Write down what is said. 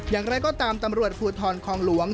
อย่างไรก็ตามตำรวจภูทรคองหลวง